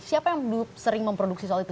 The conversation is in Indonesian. siapa yang sering memproduksi soal itu